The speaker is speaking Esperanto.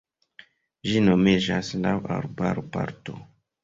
Ĝi nomiĝas laŭ arbaro-parto.